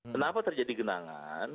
kenapa terjadi genangan